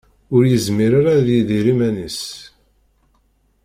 Ur yezmir ara ad yidir iman-is.